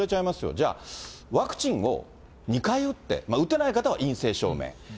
じゃあワクチンを２回打って、打てない方は陰性証明。